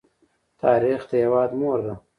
تاریخ د هېواد مور ده.